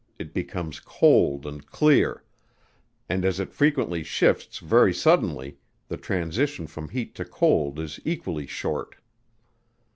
it becomes cold and clear; and as it frequently shifts very suddenly, the transition from heat to cold is equally short.